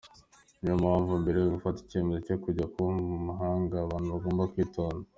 Niyo mpamvu mbere yo gufata icyemezo cyo kujya kuba mu mahanga, abantu bagomba kwitonda.